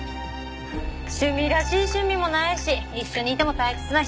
趣味らしい趣味もないし一緒にいても退屈な人でしたから。